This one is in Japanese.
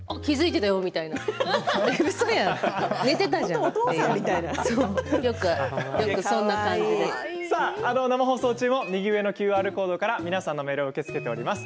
気付いてたよみたいなうそじゃん、寝てたじゃん生放送中も右上のＱＲコードから皆さんのメールを受け付けています。